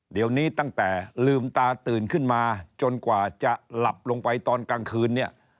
เดี๋ยวนี้ตั้งแต่ลืมตาตื่นขึ้นมาจนกว่าจะหลับลงไปตอนกลางคืนเนี่ย